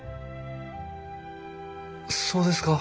そうですか。